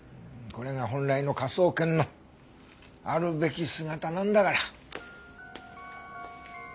これが本来の科捜研のあるべき姿なんだから。